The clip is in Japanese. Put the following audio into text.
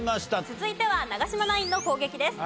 続いては長嶋ナインの攻撃です。